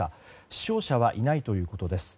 死傷者はいないということです。